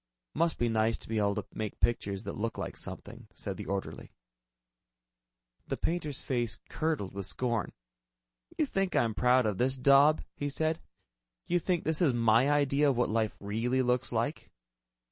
"Must be nice to be able to make pictures that look like something," said the orderly. The painter's face curdled with scorn. "You think I'm proud of this daub?" he said. "You think this is my idea of what life really looks like?"